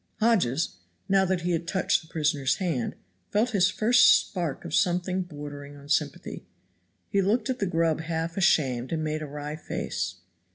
Hodges, now that he had touched the prisoner's hand, felt his first spark of something bordering on sympathy. He looked at the grub half ashamed and made a wry face.